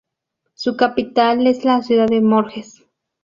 Su capital es la ciudad de Morges.